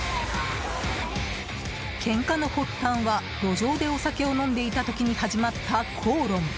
けんかの発端は路上でお酒を飲んでいた時に始まった口論。